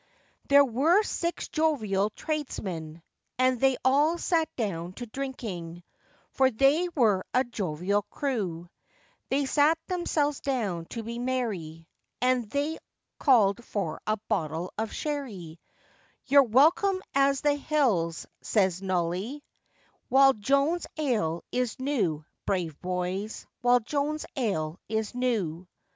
] THERE were six jovial tradesmen, And they all sat down to drinking, For they were a jovial crew; They sat themselves down to be merry; And they called for a bottle of sherry, You're welcome as the hills, says Nolly, While Joan's ale is new, brave boys, While Joan's ale is new.